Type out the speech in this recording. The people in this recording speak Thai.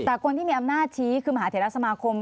แต่คนที่มีอำนาจชี้คือมหาเถระสมาคม